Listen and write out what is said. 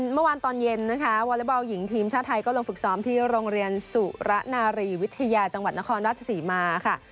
เมื่อวานตอนเย็นนะคะวอเล็กบอลหญิงทีมชาติไทยก็ลงฝึกซ้อมที่โรงเรียนสุระนารีวิทยาจังหวัดนครราชศรีมาค่ะ